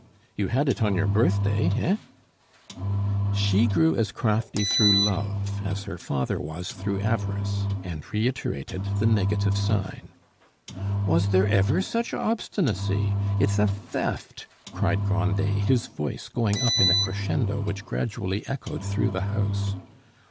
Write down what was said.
"You had it on your birthday, hein?" She grew as crafty through love as her father was through avarice, and reiterated the negative sign. "Was there ever such obstinacy! It's a theft," cried Grandet, his voice going up in a crescendo which gradually echoed through the house.